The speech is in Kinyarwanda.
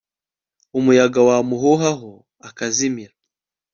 umuyaga wamuhuhaho akazimira